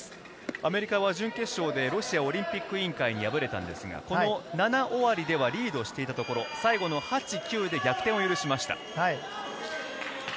アメリカは準決勝でロシアオリンピック委員会に敗れたんですが、この７終わりではリードしていたところ、最後の８、９で逆転を許しました。